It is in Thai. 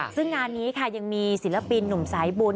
ซึ่งงานนี้ค่ะยังมีศิลปินหนุ่มสายบุญ